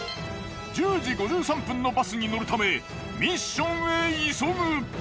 １０時５３分のバスに乗るためミッションへ急ぐ。